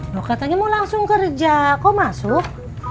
loh katanya mau langsung kerja kok masuk